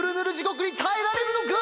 ごくにたえられるのか！？